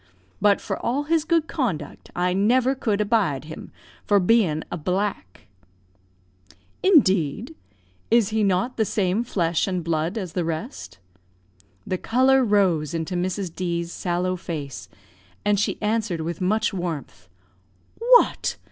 But, for all his good conduct, I never could abide him, for being a black." "Indeed! Is he not the same flesh and blood as the rest?" The colour rose into Mrs. D 's sallow face, and she answered with much warmth "What!